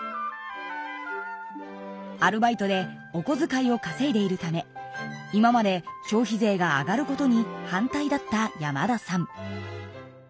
アルバイトでおこづかいをかせいでいるため今まで消費税が上がることに反対だった山田さん。